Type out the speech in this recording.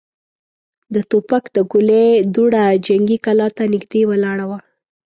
د توپ د ګولۍ دوړه جنګي کلا ته نږدې ولاړه وه.